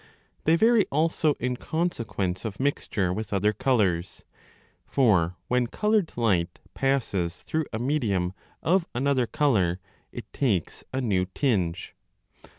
They vary also in consequence of mixture with other colours, for when coloured light passes through a medium of another colour it takes a new tinge.